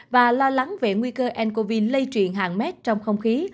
và lo lắng về nguy cơ ncov lây truyền hàng mét trong không khí